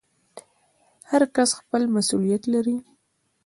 هر کس خپل مسوولیت لري